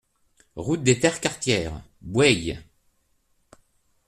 Route des Terres Quartières, Bouaye